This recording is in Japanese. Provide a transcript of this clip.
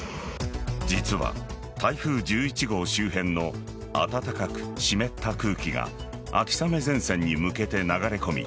実は台風１１号周辺の暖かく湿った空気が秋雨前線に向けて流れ込み